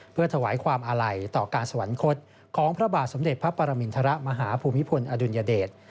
เพื่อถวายความอาลัยต่อการสวรรคตของพระบาทสมเด็จพระปรมินทรมาฮภูมิพลอดุลยเดช